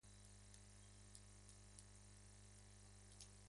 El Genio parece ceder.